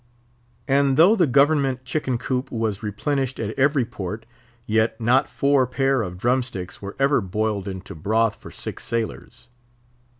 And though the Government chicken coop was replenished at every port, yet not four pair of drum sticks were ever boiled into broth for sick sailors.